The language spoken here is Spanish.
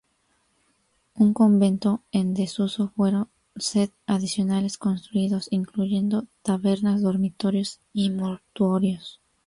Un convento en desuso fueron set adicionales construidos, incluyendo tabernas, dormitorios y mortuorios.